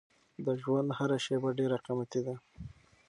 د ژوند هره شېبه ډېره قیمتي ده.